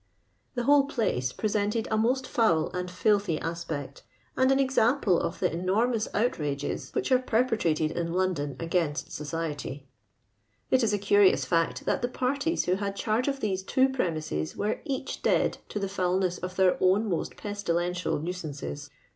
The whole place presented a most foul and filthy aspect, and an example of the enormous outrages which are perpetrated in London against society. It is a ciuious fact, that the parties who had charge of these two premises were each dead to the foulness of their own most pesti lential nuisances.